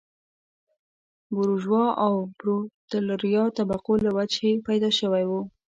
د بورژوا او پرولتاریا طبقو له وجهې پیدا شوی و.